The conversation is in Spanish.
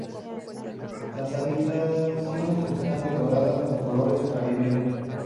Las habitaciones están decoradas con colores caribeños.